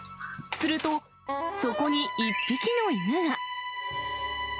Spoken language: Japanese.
すると、そこに１匹の犬が。